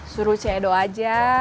suruh ceedo aja